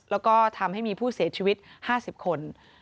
แล้วก็ทำให้มีผู้เสียชีวิต๕๐คน